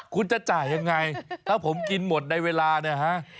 คุณจะจ่ายยังไงถ้าผมกินหมดในเวลาเนี่ยฮะ